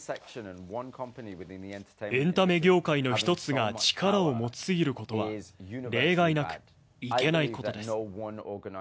エンタメ業界の１つが力を持ち過ぎることは例外なくいけないことです。